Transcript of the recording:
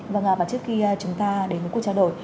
vâng và trước khi chúng ta đến với cuộc trao đổi